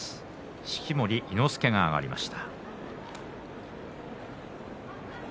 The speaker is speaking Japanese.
式守伊之助が上がりました。